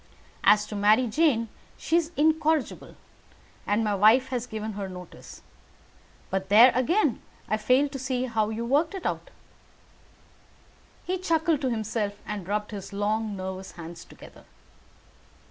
As to Mary Jane, she is incorrigible, and my wife has given her notice; but there again I fail to see how you work it out." He chuckled to himself and rubbed his long nervous hands together.